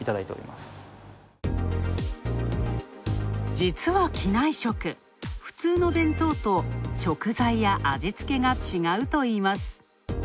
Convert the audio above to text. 実は機内食、普通の弁当と食材や味付けが違うといいます。